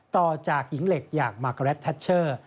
ต่อจากหญิงเหล็กอย่างมาโกแลตทัชเชอร์